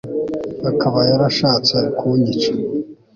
akaba yarashatse kunyica